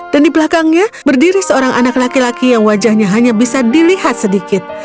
dan di belakangnya berdiri seorang anak laki laki yang wajahnya hanya bisa dilihat sedikit